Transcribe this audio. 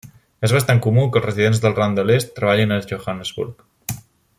És bastant comú que els residents del Rand de l'Est treballin a Johannesburg.